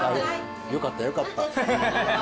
よかったよかった。